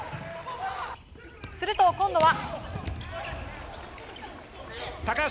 すると、今度は。